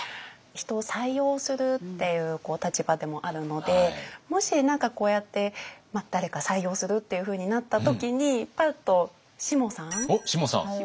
人を採用するっていう立場でもあるのでもし何かこうやって誰か採用するっていうふうになった時にパッとしもさん。